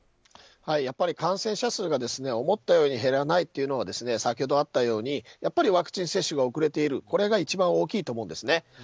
感染者数が思ったより減らないというのは先ほどあったように、やっぱりワクチン接種が遅れているこれが一番大きいと思うんです。